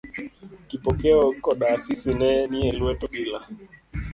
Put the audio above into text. Kipokeo koda Asisi ne nie lwet obila.